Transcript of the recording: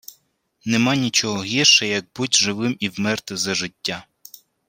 Нема нічого гірше, Як буть живим і вмерти за життя!